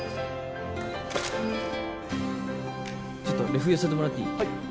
ちょっとレフ寄せてもらっていい？